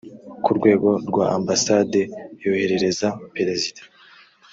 ku rwego rwa ambasade yoherereza perezida